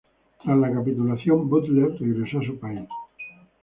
Tras la capitulación, Butler regresó a su país.